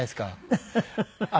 フフフフ。